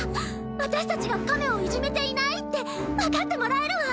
ワタシたちが亀をいじめていないってわかってもらえるわ！